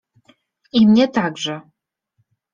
I mnie także.